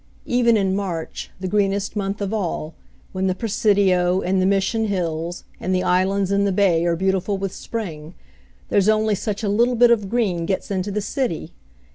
Even in March, the greenest month of all, when the Presidio, and the Mission Hills, and the islands in the bay are beautiful with spring, there's only such a little bit of green gets into the city!